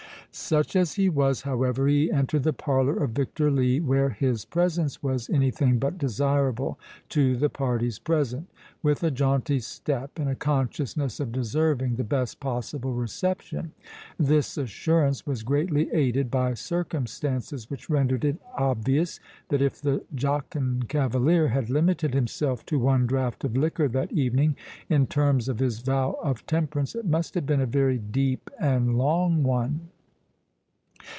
Such as he was, however, he entered the parlour of Victor Lee, where his presence was any thing but desirable to the parties present, with a jaunty step, and a consciousness of deserving the best possible reception. This assurance was greatly aided by circumstances which rendered it obvious, that if the jocund cavalier had limited himself to one draught of liquor that evening, in terms of his vow of temperance, it must have been a very deep and long one.